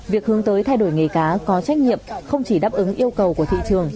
việc hướng tới thay đổi nghề cá có trách nhiệm không chỉ đáp ứng yêu cầu của thị trường